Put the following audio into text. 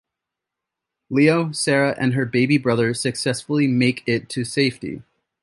Leo, Sarah and her baby brother successfully make it to safety.